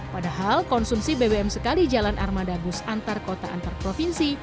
padahal konsumsi bbm sekali jalan armada bus antar kota antar provinsi